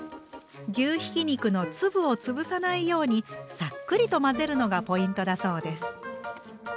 牛ひき肉の粒を潰さないようにさっくりと混ぜるのがポイントだそうです。